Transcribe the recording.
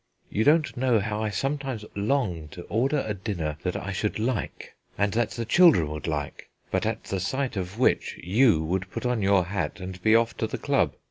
You don't know how I sometimes long to order a dinner that I should like and that the children would like, but at the sight of which you would put on your hat and be off to the Club.